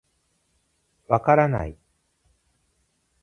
分からない。